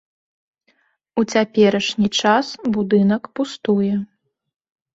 У цяперашні час будынак пустуе.